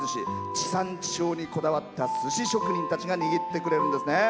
地産地消にこだわった寿司職人たちが握ってくれるんですね。